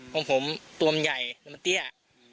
ของผมตัวมันใหญ่แล้วมันเตี้ย